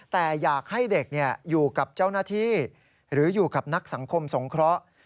แต่อยากให้เด็กอยู่กับเจ้าหน้าที่หรืออยู่กับนักสังคมสงเคราะห์